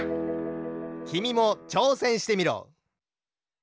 きみもちょうせんしてみろ。